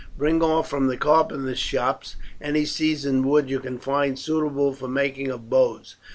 Bring off from the carpenters' shops any seasoned wood you can find suitable for the making of bows.